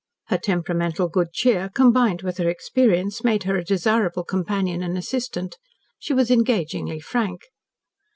Her temperamental good cheer, combined with her experience, made her a desirable companion and assistant. She was engagingly frank.